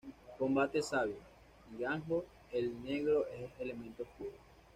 Combate sabio, Django el Negro es elemento oscuro.